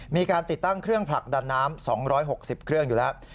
มีการติดตั้งเครื่องผลักดันน้ำ๒๖๐เครื่องอยู่แล้ว